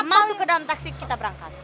masuk ke dalam taksi kita berangkat